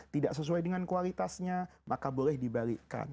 tidak sesuai dengan kualitasnya maka boleh dibalikkan